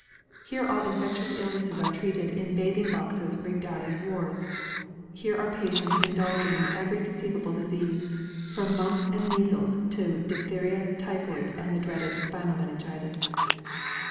Here all infectious illnesses are treated in bathing boxes rigged out as wards; here are patients indulging in every conceivable disease, from mumps and measles to diphtheria, typhoid and the dreaded spinal meningitis.